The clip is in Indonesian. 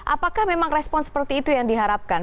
apakah memang respon seperti itu yang diharapkan